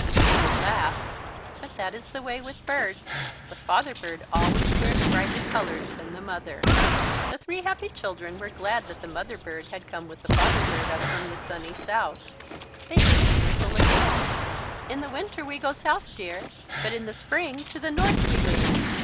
You would laugh. But that is the way with birds. The father bird always wears brighter colours than the mother. The three happy children were glad that the mother bird had come with the father bird up from the sunny South. They heard him whistle again: "In the Winter we go South, dear, But in the Spring to the North we wing."